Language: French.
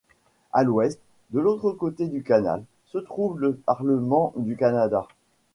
À l'ouest, de l'autre côté du canal, se trouve le parlement du Canada.